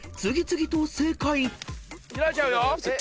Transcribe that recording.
開いちゃうよ。